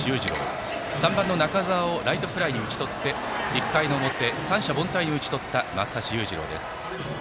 そして３番、中澤をライトフライに打ち取り１回の表、三者凡退に打ち取った松橋裕次郎。